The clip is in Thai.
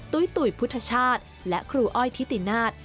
ุ้ยตุ๋ยพุทธชาติและครูอ้อยทิตินาศ